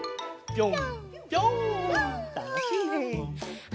ぴょん！